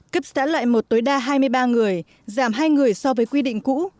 cấp xã loại một tối đa hai mươi ba người giảm hai người so với quy định cũ